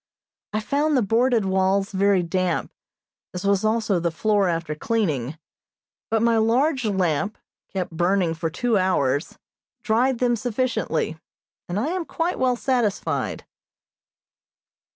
I found the boarded walls very damp, as was also the floor after cleaning, but my large lamp, kept burning for two hours, dried them sufficiently, and I am quite well satisfied.